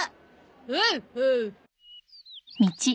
ほうほう。